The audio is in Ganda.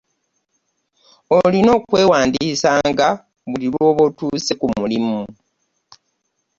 Olina okwewaandiisanga buli lwoba otuuse ku mulimu.